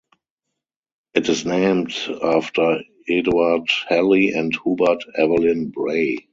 It is named after Eduard Helly and Hubert Evelyn Bray.